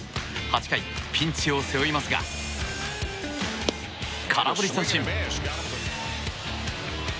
８回、ピンチを背負いますが空振り三振。